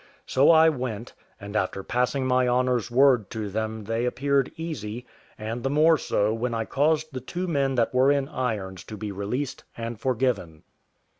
So I went, and after passing my honour's word to them they appeared easy, and the more so when I caused the two men that were in irons to be released and forgiven.